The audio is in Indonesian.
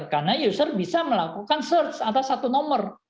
karena user bisa melakukan search atas satu nomor